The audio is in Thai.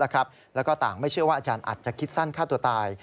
แล้วก็ต่างไม่เชื่อว่าอาจารย์อาจจะคิดสั้นฆ่าตัวตาย